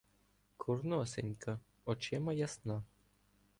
Курносенька, очима ясна